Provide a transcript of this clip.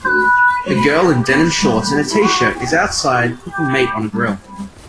A girl in denim shorts and a tshirt is outside cooking meat on a grill.